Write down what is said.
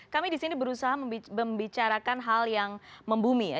kami di sini berusaha membicarakan hal yang membumi ya